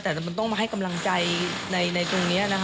แต่มันต้องมาให้กำลังใจในตรงนี้นะคะ